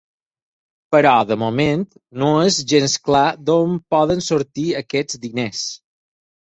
Però, de moment, no és gens clar d’on poden sortir aquests diners.